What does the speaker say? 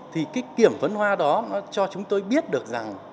thì cái kiểm vấn hoa đó nó cho chúng tôi biết được rằng